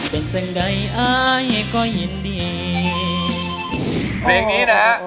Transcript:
เพลงนี้นะ